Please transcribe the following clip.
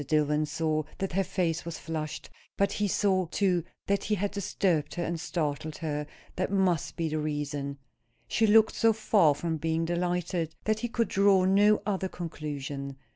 Dillwyn saw that her face was flushed; but he saw, too, that he had disturbed her and startled her; that must be the reason. She looked so far from being delighted, that he could draw no other conclusion.